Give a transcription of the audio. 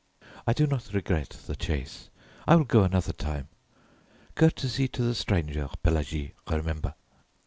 "I do not regret the chase, I will go another time Courtesy to the stranger, Pelagie, remember!"